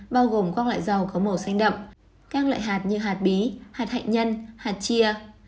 bao gồm các loại dầu có màu xanh đậm các loại hạt như hạt bí hạt nhân hạt chia